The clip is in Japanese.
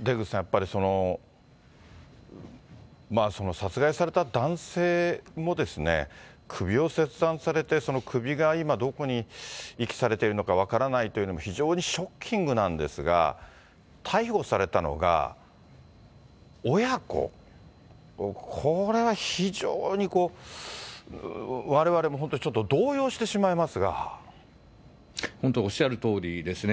出口さん、やっぱり、殺害された男性もですね、首を切断されて、首が今、どこに遺棄されているのか分からないというのも、非常にショッキングなんですが、逮捕されたのが親子、これは非常にこう、われわれも本当、本当、おっしゃるとおりですね。